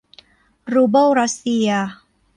รูเบิลรัสเซีย